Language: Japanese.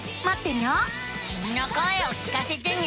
きみの声を聞かせてね。